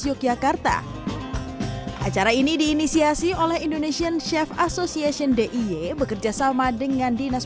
yogyakarta acara ini diinisiasi oleh indonesian chef association diy bekerja sama dengan dinas